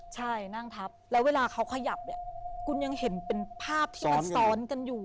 ใช่นั่งทับแล้วเวลาเขาขยับเนี่ยคุณยังเห็นเป็นภาพที่มันซ้อนกันอยู่